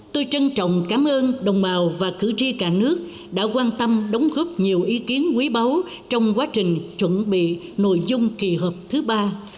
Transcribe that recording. tôi trân trọng cảm ơn đồng bào và cử tri cả nước đã quan tâm đóng góp nhiều ý kiến quý báu trong quá trình chuẩn bị nội dung kỳ họp thứ ba